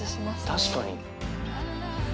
確かに。